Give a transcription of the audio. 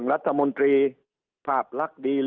สุดท้ายก็ต้านไม่อยู่